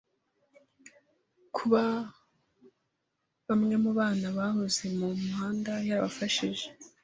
kuba bamwe mu bana bahoze mu muhanda yarabafashije